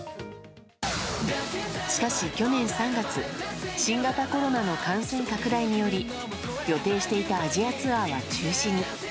しかし去年３月新型コロナの感染拡大により予定していたアジアツアーは中止に。